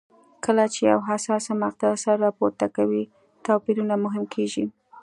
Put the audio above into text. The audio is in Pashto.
کله چې یوه حساسه مقطعه سر راپورته کوي توپیرونه مهم کېږي.